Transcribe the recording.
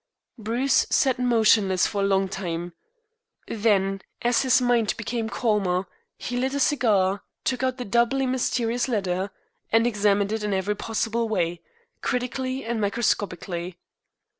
Bruce sat motionless for a long time. Then, as his mind became calmer, he lit a cigar, took out the doubly mysterious letter, and examined it in every possible way, critically and microscopically.